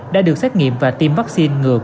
đã được xét nghiệm và tìm phát triển